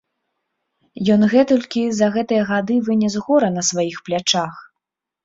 Ён гэтулькі за гэтыя гады вынес гора на сваіх плячах!